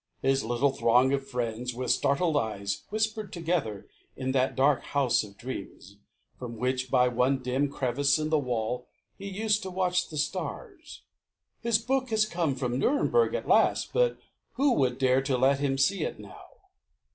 His little throng of friends, with startled eyes, Whispered together, in that dark house of dreams, From which by one dim crevice in the wall He used to watch the stars. "His book has come From Nuremberg at last; but who would dare To let him see it now?"